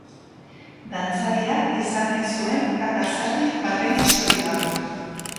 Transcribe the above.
Dantzaria izan nahi zuen kaka zati baten istorioa.